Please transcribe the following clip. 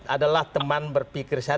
adalah teman berpikir saya